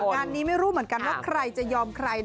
งานนี้ไม่รู้เหมือนกันว่าใครจะยอมใคร